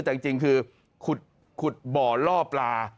แต่จริงคือขุดบ่อล่อปลา